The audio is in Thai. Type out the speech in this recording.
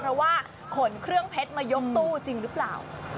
เพราะว่าขนเครื่องเพชรมายกตู้จริงหรือเปล่า